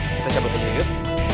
eh kita coba dulu yuk